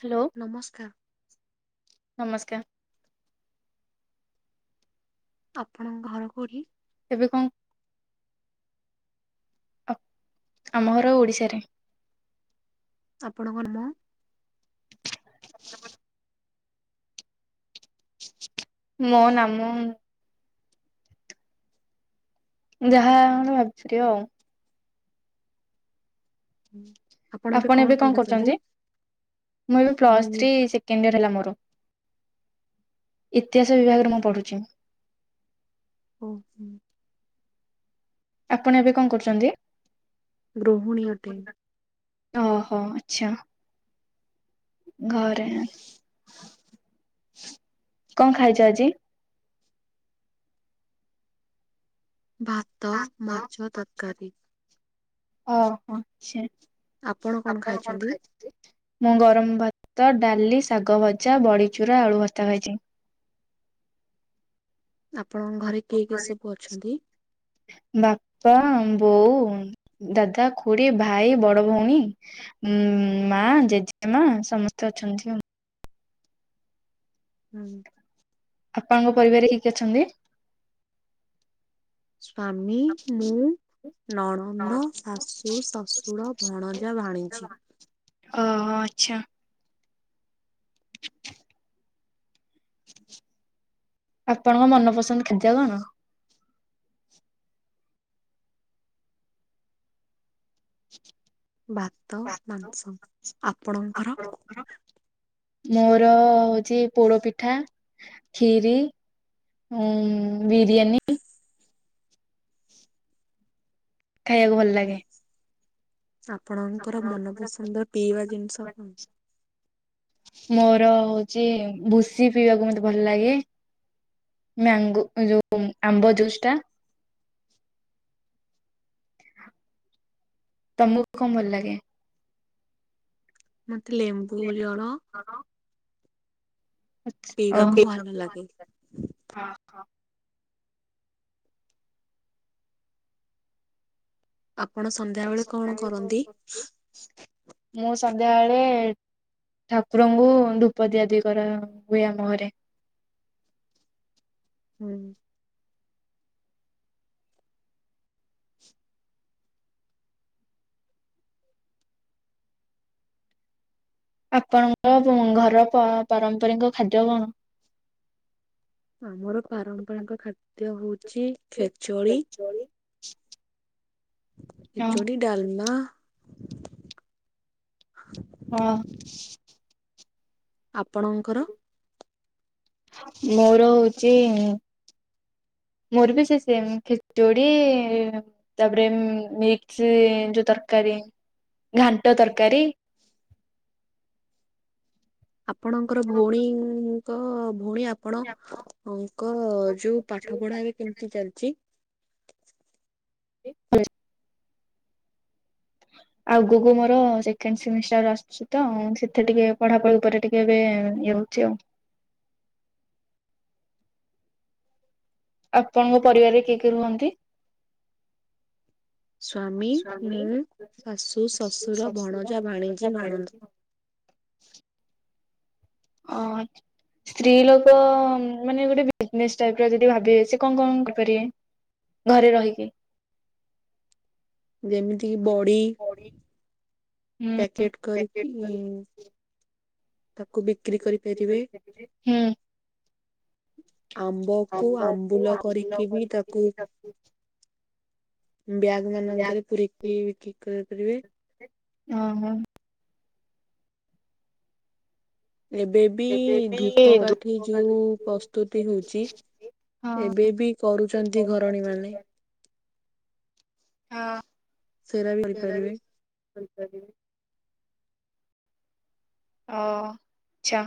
Hello ନମସ୍କାର ନମସ୍କାର। ଆପଣଙ୍କ ଘର କୋଉଠି ଏବେ କଣ ଆମ ଘର ଓଡିଶାରେ। ଆପଣଙ୍କ ନାମ [inaudible] ମୋ ନାମ ଯାହା କଣ ଗୋଟେ ଭାବିଦିଅ ଆଉ ଆପଣ ଏବେ କଣ କରୁଛନ୍ତି ମୁଁ ଏବେ ପ୍ଲସ୍ ମୁଇଁ ଥ୍ରୀ ସେକେଣ୍ଡ ୟିଅର ହେଲା ମୋର ଇତିହାସ ବିଭାଗରେ ମୁଁ ପଢୁଛି। ଓ ହୁଁ। ଆପଣ ଏବେ କଣ କରୁଛନ୍ତି? ଗୃହିଣୀ ଅଟେ। ଓହୋ ଆଚ୍ଛା। ଘରେ କଣ ଖାଇଛ ଆଜି। ଭାତ ମାଛ ତରକାରୀ। ଓହୋ ଚ୍ଛା ଆପଣ କଣ ଖାଇଛ? ମୁଁ ଗରମ ଭାତ, ଡାଲି, ଶାଗ ଭଜା, ବଡ଼ିଚୁରା, ଆଳୁ ଭର୍ତା ଖାଇଛି। ଆପଣଙ୍କ ଘରେ କିଏ କିଏ ସବୁ ଅଛନ୍ତି? ବାପା ବୋଉ ଦାଦା, ଖୁୁଡୀ, ଭାଇ, ବଡ ଭଉଣୀ ଉଁ ମା ଜେଜେ ମା ସମସ୍ତେ ଅଛନ୍ତି ଆଉ। ହୁଁ। ଆପଣଙ୍କ ପରିବାର ରେ କିଏ କିଏ ଅଛନ୍ତି? ସ୍ଵାମୀ ମୁଁ ନଣନ୍ଦ, ଶାଶୁ, ଶଶୁୁର, ଭଣଜା, ଭାଣିଜୀ। ଓ ହୋ ଆଚ୍ଛା। ଆପଣଙ୍କ ମନପସନ୍ଦ ଖାଦ୍ୟ କଣ? ଭାତ ମାଂସ ଆପଣଙ୍କର? ମୋର ହଉଛି ପୋଡ ପିଠା, ଖିରି ଉଁ ବିରିୟାନୀ। ଖାଇବାକୁ ଭଲ ଲାଗେ। ଆପଣଙ୍କର ମନପସନ୍ଦ ପିଇବା ଜିନିଷ କଣ? ମୋର ହଉଛି ଭୁସି ପିଇବାକୁ ମତେ ଭଲ ଲାଗେ। ମ୍ୟାଙ୍ଗୋ ଯୋଉ ଆମ୍ବ ଜୁସ୍ ଟା। ତମକୁ କଣ ଭଲ ଲାଗେ? ମତେ ଲେମ୍ବୁ ଜଳ। ଜଳ ପିଇବାକୁ ଭଲ ଲାଗେ। ଓ ହ। ଆପଣ ସନ୍ଧ୍ୟା ବେଳେ କଣ କରନ୍ତି? ମୁଁ ସନ୍ଧ୍ୟାବେଳେ ଠାକୁରଙ୍କୁ ଧୂପ ଦିଆଦୁଇ କରା ହୁଏ ଆମ ଘରେ। ହୁଁ। ଆପଣଙ୍କ ଘର ପ ପାରମ୍ପରିକ ଖାଦ୍ୟ କଣ? ଆମର ପାରମ୍ପରିକ ଖାଦ୍ୟ ହଉଛି ଖେଚଡ଼ି। ଖେଚୋଡ଼ି। ହଁ ଖେଚୁଡ଼ି ଡାଲମା। ହଁ। ଆପଣଙ୍କର ମୋର ହଉଚି ମୋର ବି ସେ ସେମ୍ ଖିଚୁଡି ତାପରେ ଉଁ, ମିକ୍ସି ଯୋଉ ତରକାରୀ, ଘାଣ୍ଟ ତରକାରୀ। ଆପଣଙ୍କର ଭଉଣୀଙ୍କ ଭଉଣୀ ଆ ଆପଣ ଅଙ୍କ ଯୋଉ ପାଠ ପଢା ଏବେ କେମିତି ଚାଲିଛି? ଆଗକୁ ମୋର ସେକେଣ୍ଡ ସେମିଷ୍ଟାର ଆସୁଛି ତ। ସେଥିରେ ଟିକେ ପଢାପଢି ଉପରେ ଟିକେ ଏବେ ଇଏ ହଉଚି ଆଉ। ଆପଣଙ୍କ ପରିବାରରେ କିଏ କିଏ ରୁହନ୍ତି? ସ୍ଵାମୀ, ସ୍ୱାମୀ, ମୁଁ, ଶାଶୁ, ଶାଶୁ, ଶ୍ୱଶୁର ଶଶୁର, ଭଣଜା, ଭାଣିଜି, ନଣନ୍ଦ। ଭାଣିଜୀ। ଓ ସ୍ତ୍ରୀ ଲୋକ ମାନେ ଗୋଟେ ବିଜନେସ୍ ଟାଇପ୍ ର ଯଦି ଭାବିବେ ସେ କଣ କଣ କରିପାରିବେ? ଘରେ ରହିକି। ଯେମିତି କିି ଯେମିତି ବଡି। ବଡ଼ି ପ୍ୟାକେଟ୍ ପ୍ୟାକେଟ୍ କରିକି ଇ କରିକି ତାକୁ ବିକ୍ରି କରିପାରିବେ। ଆମ୍ବକୁ ଆମ୍ବୁଲ କରିକି ବି ତାକୁ [unintelligible] ବ୍ୟାଗ୍ ମାନଙ୍କରେ ପୁରେଇକି ବିକ୍ରି କରିପାରିବେ। ଓ, ହଁ। ଏବେ ବି ଏବେ ବି ଧୂପକାଠି ଯୋଉ ପ୍ରସ୍ତୁତି ହଉଛି। ଏବେ ବି କରୁଚନ୍ତି ଘରଣୀ ମାନେ। ସେରା ସେଇରା ବି କରିପାରିବେ କରିପାରିବେ। ଓ ଚ୍ଛା।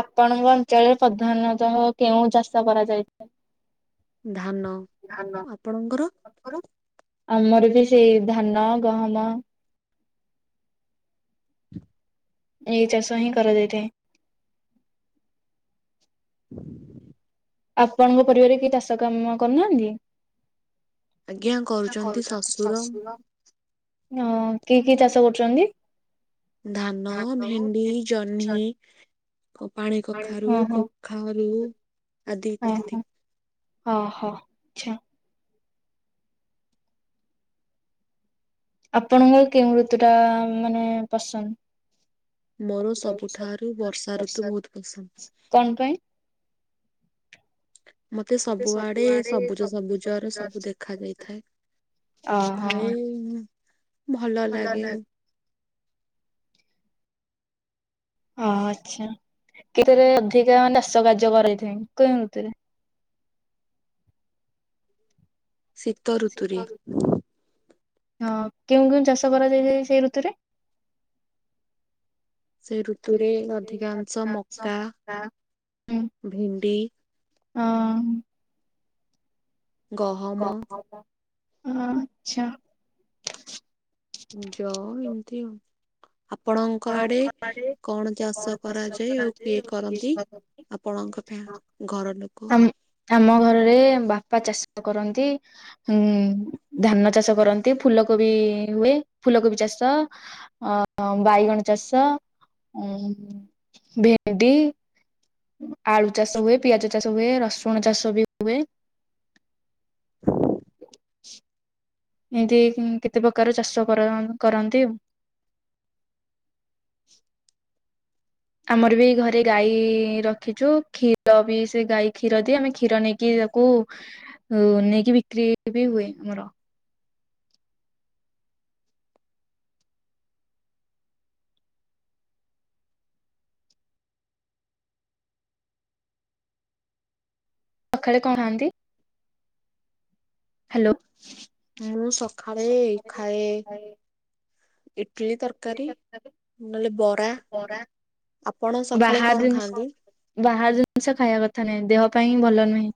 ଆପଣଙ୍କ ଅଞ୍ଚଳରେ ପ୍ରଧାନତଃ କେଉଁ ଚାଷ କରାଯାଇଥାଏ? ଧାନ। ଧାନ। ଆପଣଙ୍କର? ଆମର ବି ସେଇ ଧାନ, ଗହମ। ଏଇ ଚାଷ ହିଁ କରାଯାଇଥାଏ। ହ ଆପଣଙ୍କ ପରିବାର ରେ କିଏ ଚାଷ କାମ କରୁନାହାନ୍ତି? ଆଜ୍ଞା କରୁଚନ୍ତି ଶଶୁର। ହଁ କି କି ଚାଷ କରୁଛନ୍ତି? ଧାନ, ଭେଣ୍ଡି, ଜହ୍ନି ଓ ପାଣି ଜହ୍ନି, କଖାରୁ, ଓହୋ କଖାରୁୁ ଆଦି ଇତ୍ୟାଦି। ଓ ହୋ ଛା। ଆପଣଙ୍କର କେଉଁ ଋତୁ ଟା ମାନେ ପସନ୍ଦ? ମୋର ସବୁଠାରୁ ବର୍ଷା ଋତୁ ବହୁତ ପସନ୍ଦ। କଣ ପାଇଁ? ମୋତେ ସବୁଆଡେ ସବୁଜ ସବୁଜର ସବୁ ଦେଖା ଯାଇଥାଏ। ଓହୋ ଥାଏ ନା ଭଲ ଲାଗେ। ଓ ଆଚ୍ଛା, କେଥରେ ଅଧିକା ମାନେ ଚାସ କାର୍ଯ୍ୟ କରାଯାଇଥାଏ କେଉଁ ଋତୁରେ? ଶୀ ହଁ କେଉଁ କେଉଁ ଚାଷ କରାଯାଏ ଯାଏ ସେଇ ଋତୁରେ? ସେ ଋତୁରେ ଅଧିକାଂଶ ମକା, ଭେଣ୍ଡି ଅ, ହୁଁ। ଗହମ ଓ ଆଚ୍ଛା। ଯଅ ଏମିତି ଆଉ। ଆପଣଙ୍କ ଆଡେ କଣ ଚାଷ କରାଯାଏ ଆଉ କିଏ କରନ୍ତି? ଆପଣଙ୍କ ପାଇଁ ଘର ଲୋକ ଆମ ଆମ ଘରରେ ବାପା ଚାଷ କରନ୍ତି। ହୁଁ ଧାନ ଚାଷ କରନ୍ତି ଫୁଲକୋବି ହୁଏ ଫୁଲକୋବି ଚାଷ। ଅ ବାଇଗଣ ଚାଷ ଉ ଭେଣ୍ଡି। ଆଳୁ ଚାଷ ହୁଏ ପିଆଜ ଚାଷ ହୁଏ ରସୁଣ ଚାଷ ବି ହୁଏ। [unintelligible] ହଁ ଏମତି କେତେ ପ୍ରକାର ଚାଷ କର କରନ୍ତି। ଆମର ବି ଘରେ ଗାଈ ରଖିଛୁ କ୍ଷୀର ବି ସେ ଗାଈ କ୍ଷୀର ଦିଏ ଆମେ କ୍ଷୀର ନେଇକି କୁ ନେଇକି ବିକ୍ରି ବି ହୁଏ ଆମର। ସକାଳେ କଣହାନ୍ତି? ହ୍ୟାଲୋ। ମୁଁ ସଖାଳେ ଖାଏ ଇଟଲିି ତରକାରୀ। ନହେଲେ ବରା। ଆପଣ ସଖାଳେ ବାହାର କଣ ଜିନିଷ ଖାଆନ୍ତି? ବାହାର ଜିନିଷ ଖାଇବା କଥା ନାହିଁ ଦେହ ପାଇଁଁ ଭଲ ନୁହେଁ।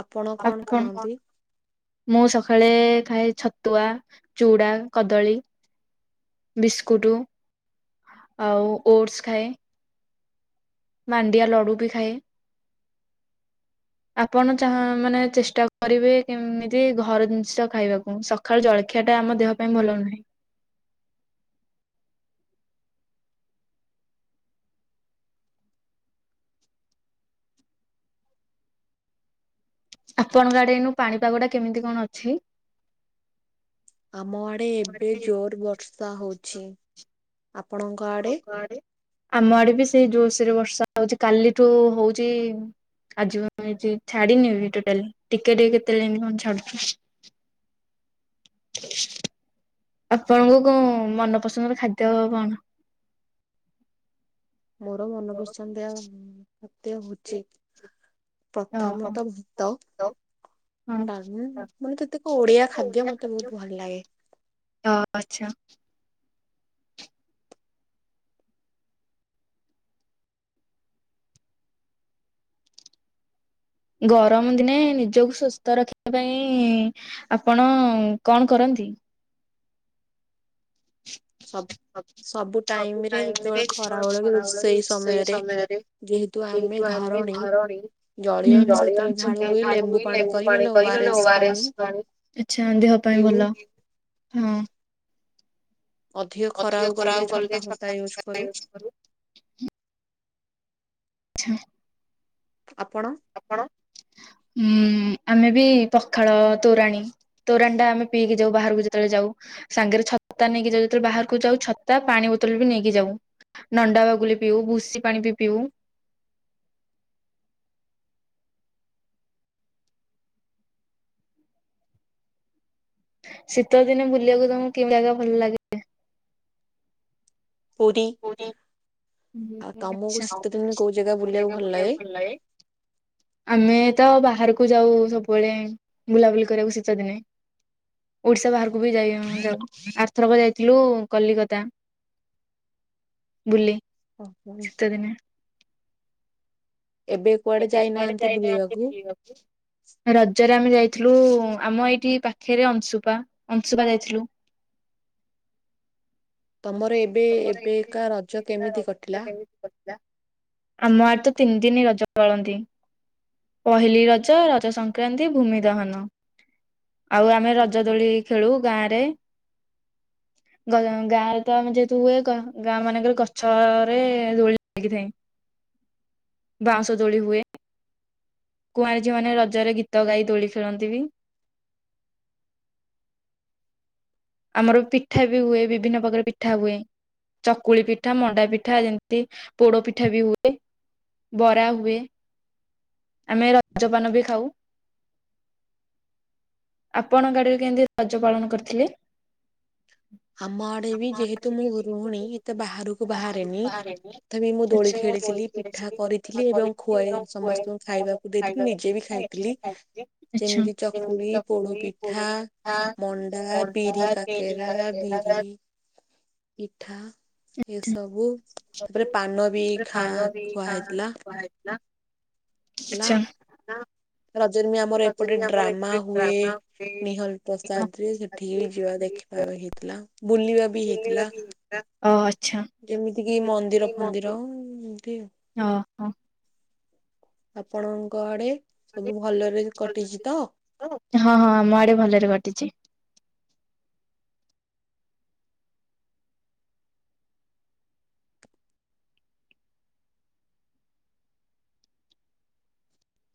ଆପଣ କଣ ଖାଆନ୍ତି? ମୁଁ ସକାଳେ ଖାଏ ଛତୁଆ, ଚୁଡା, କଦଳୀ। ବିସ୍କୁଟ। ଆଉ ଓଟ୍ସ୍ ଖାଏ। ମାଣ୍ଡିଆ ଲଡ଼ୁ ବି ଖାଏ। ଆପଣ ଚା ମାନେ ଚେଷ୍ଟା କରିବେ କେମିତି ଘର ଜିନିଷ ଖାଇବାକୁ ସ ଖାଳେ ଜଳଖିଆ ଟା ଆମ ଦେହ ପାଇଁ ଭଲନୁହେଁ। ଆପଣଙ୍କ ଆଡେ ଏନୁ ପାଣିପାଗ ଟା କେମିତି କଣ ଅଛି? ଆମ ଆଡେ ଏବେ ଜୋର ବର୍ଷା ହଉଛି ଆପଣଙ୍କ ଆ ଆମ ଆଡେ ବି ସେଇ ଜୋସିରେ ବର୍ଷା ହଉଛି କାଲିଠୁ ହଉଛି। ଆଜି ମୁଁ ଏ ଛାଡିିନି ବି ଟୋଟାଲି ଟିକେ ଟିକ କେତେବେଳେ ଏମିତି କଣ ଛାଡୁଛି। [inaudible] ଆପଣଙ୍କୁ କଣ ମନପସନ୍ଦର ଖାଦ୍ୟ କଣ? ମୋର ମନପାସନ୍ଦିଆ ଖାଦ୍ୟ ଭୋଜି ଓହୋ। ପ୍ରଥମତଃ ତ ହଁ। ଡ଼ାଲମା ମାନେ କେତେକ ଓଡିଆ ଖାଦ୍ୟ ମତେ ବହୁତ ଭଲ ଲାଗେ। ଅ ଆଚ୍ଛା। ଗରମ ଦିନେ ନିଜକୁ ସୁସ୍ଥ ରଖିବା ପାଇଁ ଆପଣ କଣ କରନ୍ତି? ସବ ସବୁ ଟାଇମ ରେ ଯେତେବେଳେ ଖରାବେଳେ ବି ରୋ ସେଇ ସମୟରେ ଯେହେତୁ ଆମେ ଘରଣୀ ଜଳୀୟ ଅଂଶ ଯେତେଳେ ଝାଳ ହୁଏ ଲେମ୍ବୁ ପାଣି କରି ନହେଲେ ଓ ଆରଏସ୍ ପାଣି। ଆଛା ଦେହ ପାଇଁ ପିଉ ଭଲ ହଁ। ଅଧିକ ଖରାକୁ ଗଲେ ଛତା ଫତା ୟୁଜ୍ କରୁ। [unintelligible] ଆପଣ? ଆପଣ ହଁ ଆମେ ବି ପଖାଳ ତୋରାଣୀ। ତୋରାନ୍ଟା ଆମେ ପିଇକି ଯାଉ ବାହାରକୁ ଯେତେବେଳେ ଯାଉ। ସାଙ୍ଗରେ ଛତା ନେଇକି ଯାଉ ଯେତେବେଳେ ବାହାରକୁ ଯାଉ ଛତା ପାଣି ବୋତଲ ବି ନେଇକି ଯାଉ। ନଣ୍ଡା ବଗୁଲି ପିଉ ଭୁସି ପାଣି ବି ପିଉ। ଶୀତ ଦିନେ ବୁଲିବାକୁ ତମକୁ କେମିତି ଜାଗା ଭଲ ଲାଗେ? ପୁରୀ ଆଉ ତମକୁ ଶୀତ ଦିନେ କୋଉ ଜାଗା ବୁଲିବାକୁ ଭଲ ଲାଗେ? [unintelligible] ଆମେ ତ ବାହାରକୁ ଯାଉ ସବୁବେଳେ ବୁଲାବୁଲି କରିବାକୁ ଶୀତ ଦିନେ। ଓଡିଶା ବାହାରକୁ ବି ଯାଇ ଯାଉ ଆର୍ଥରକ ଯାଇଥିଲୁ କଲିକତା। ବୁଲି। ହଁ ହୋ। ଶୀତ ଦିନେ। ଏବେ କୁଆଡେ ଯାଇନାହାନ୍ତି ବୁଲିବାକୁ? ହ [unintelligible] ରଜରେ ଆମେ ଯାଇଥିଲୁ ଆମ ଏଇଠି ପାଖରେ ଅଂଶୁପା, ଅଂଶୁପା ଯାଇଥିଲୁ। ତମର ଏବେ ଏବେକା ରଜ କେମିତି କଟିଲା? ଆମ ଆଡେ ତ ତିନି ଦିନି ରଜ ପାଳନ୍ତି। ପହିଲି ରଜ ରଜ ସଂକ୍ରାନ୍ତି ଭୂମି ଦହନ। ଆଉ ଆମେ ରଜ ଦୋଳି ଖେଳୁ ଗାଁରେ ଗାଁରେ ତ ଆମେ ଯେ ତୁ ଏ ଗାଁ ମାନଙ୍କରେ ଗଛରେ ଦୋଳି ଲାଗିଥାଏ। ବାଉଁସ ଦୋଳି ହୁଏ। କୁଆଁରି ଝିଅମାନେେ ରଜରେ ଗୀତ ଗାଇ ଦୋଳି ଖେଳନ୍ତି ବି। ଆମର ପିଠା ବି ହୁଏ ବିଭିନ୍ନ ପ୍ରକାର ପିଠା ହୁଏ। ଚକୁଳି ପିଠା ମଣ୍ଡା ପିଠା ଯେମିତି ପୋଡ ପିଠା ବି ହୁଏ। ବରା ହୁଏ ଆମେ ରଜପାନ ବି ଖାଉ। ଆପଣ ଗାଡିରେ କେମିତି ରଜ ପାଳନ କରିଥିଲେ? ଆମ ଆଡେ ବି ଯେହେତୁ ମୁଁ ଗ୍ରୁହିଣୀ ଏତେ ବାହାରକୁ ବାହାରେନି ତଥାପି ମୁଁ ଦୋଳି ଆଛା ଖେଳିଥିଲି ପିଠା କରିଥିଲି ଏବଂ ଖୁଆଇ ସମସ୍ତଙ୍କୁ ଖାଇବାକୁ ଦେଇଥିଲି ନିଜେ ବି ଖାଇ। [unintelligible] ଯେମିତି ଆଛା ଚକୁଳି ପୋଡ ପିଠା ମଣ୍ଡା ବି ବିରି କାକରା ବିରି ପିଠା। ଏ ସବୁ ତାପରେ ପାନ ବି ଖା ଖୁଆ ହେଇଥିଲା। ଖୁଆ ହେଇଥିଲା ଲା ରଜନୀ ଆମର ଏପଟେ ଡ୍ରାମା ହୁଏ ନିହଲ ପ୍ରସାଦ ରେ ସେଠିକି ବି ଯିବା ଦେଖି। [unintelligible] ହେଇଥିଲା ବୁଲିବା ବି ହେଇଥିଲା। ଓ ଆଛା ଏମିତି କିି ମନ୍ଦିର ଫନ୍ଦିର ଏମିତି ଆଉ। ହଁ। ଆପଣଙ୍କ ଆଡେ ସବୁ ଭଲରେ କଟିଛି ତ? ହଁ ହଁ ଆମ ଆଡେ ଭଲରେ ଘଟିଛି।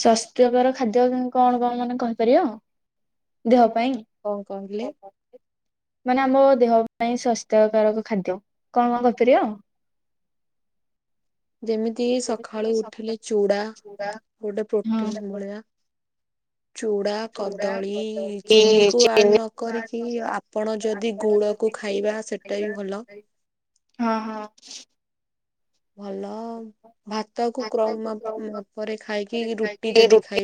ସାସ୍ଥ୍ୟକର ଖାଦ୍ୟ କଣ କଣ ମାନେ କହିପାରିବ ଦେହ ପାଇଁ। କଣ କହିଲେ ଓ ହୋ। ମାନେ ଆମ ଦେହ ପାଇଁ ସ୍ଵାସ୍ଥ୍ୟକାରକ ଖାଦ୍ୟ କଣ କଣ କଣ କହିପାରିବ? ଯେମିତି ସଖାଳୁ ଉଠିଲେ ଚୁଡା ଗୋଟେ ହଁ ପ୍ରୋଟିନ [unintelligible] ମିଳିଆ। ଚୂଡ଼ା କଦଳୀ ଚିନି କୁ ଆଡ ନ କରିକି ଆ ଆପଣ ଯଦି ଗୁଡ କ ଖାଇବା ସେଟା ବି ଭଲ। ହଁ ହଁ। ଭଲ ଭାତ କୁ କ୍ରମ ପରେ ଖାଇକି ରୁଟି ଯଦି ଖାଇ